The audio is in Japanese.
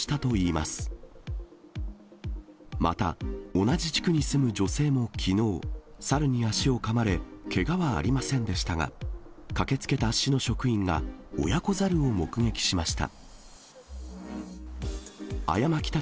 また、同じ地区に住む女性もきのう、猿に足をかまれ、けがはありませんでしたが、駆けつけた市の職員が親子猿を目撃しました。